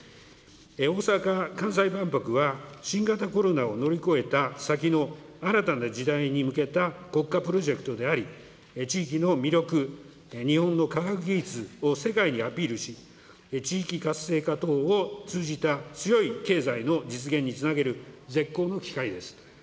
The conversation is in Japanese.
大阪・関西万博は、新型コロナを乗り越えた先の新たな時代に向けた国家プロジェクトであり、地域の魅力、日本の科学技術を世界にアピールし、地域活性化等を通じた強い経済の実現につなげる絶好の機会です。